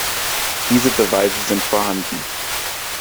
Diese Beweise sind vorhanden.